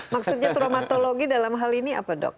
maksudnya traumatologi dalam hal ini apa dok